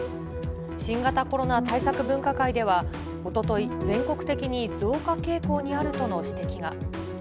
新型コロナ対策分科会では、おととい、全国的に増加傾向にあるとの指摘が。